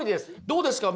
どうですか？